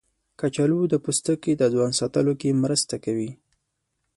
کچالو د پوستکي د ځوان ساتلو کې مرسته کوي.